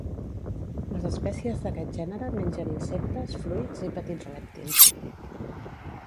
Les espècies d'aquest gènere mengen insectes, fruits i petits rèptils.